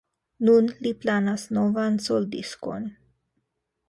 Nun li planas novan soldiskon.